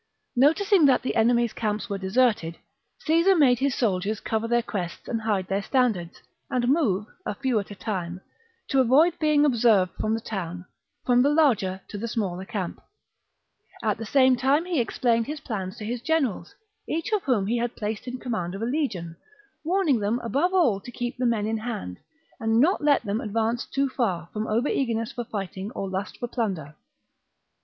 Noticing that the enemy's camps were deserted, Caesar made his soldiers cover their crests and hide their standards, and move, a few at a time, to avoid being observed from the town, from the larger to the smaller camp. At the same time he explained his plans to his generals, each of whom he had placed in command of a legion, warning them above all to keep the men in hand, and not let them advance too far from over eagerness for fighting or lust for plunder.